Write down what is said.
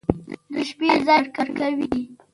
د شپې ځاى وركوي.